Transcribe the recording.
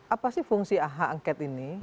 apa sih fungsi aha angket ini